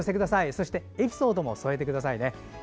そしてエピソードも添えてくださいね。